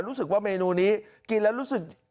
รู้สึกว่าเมนูนี้กินแล้วรู้สึก